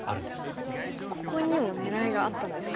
あっここにも狙いがあったんですか？